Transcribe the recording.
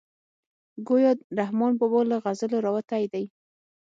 ګویا رحمان بابا له غزلو راوتی دی.